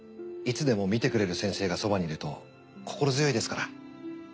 いつでも診てくれる先生がそばにいると心強いですから。